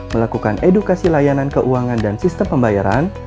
melakukan edukasi layanan keuangan dan sistem pembayaran